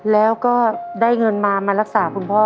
แล้วก็ได้เงินมามารักษาคุณพ่อ